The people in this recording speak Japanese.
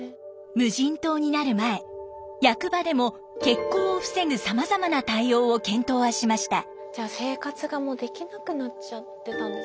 無人島になる前役場でも欠航を防ぐさまざまな対応を検討はしました。